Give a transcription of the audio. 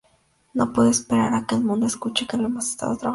No puedo esperar a que el mundo escuche en lo que hemos estado trabajando"".